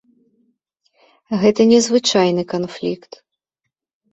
Гэта не звычайны канфлікт.